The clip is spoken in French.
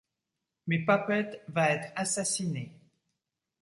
Mais Puppet va être assassinée.